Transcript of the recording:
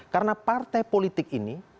karena partai politik ini